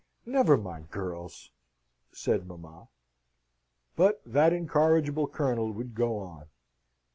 "Never mind, girls!" said mamma. But that incorrigible Colonel would go on.